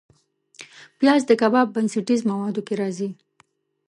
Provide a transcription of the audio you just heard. پیاز د کباب بنسټیز موادو کې راځي